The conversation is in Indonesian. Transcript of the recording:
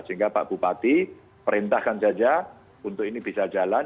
sehingga pak bupati perintahkan saja untuk ini bisa jalan